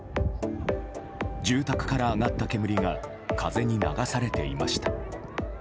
住宅から上がった煙が風に流されていました。